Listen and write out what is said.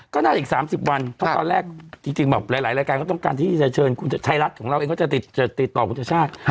ก็น่าจะอีก๓๐วันเพราะตอนแรกจริงแบบหลายรายการก็ต้องการที่จะเชิญคุณชายรัฐของเราเองก็จะติดต่อคุณชาติชาติ